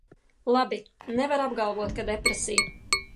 Labi, nevar apgalvot, ka depresija.